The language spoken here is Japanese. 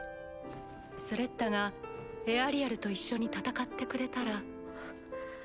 スレッタがエアリアルと一緒に戦ってくれたら。